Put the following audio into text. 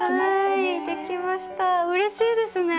うれしいですね。